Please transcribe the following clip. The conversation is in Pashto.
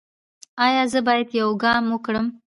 ایا زه باید یوګا وکړم؟